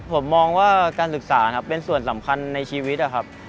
ผมมองว่าการศึกษานะครับเป็นส่วนสำคัญในชีวิตนะครับ